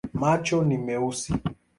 Macho ni meusi.